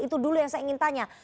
itu dulu yang saya ingin tanya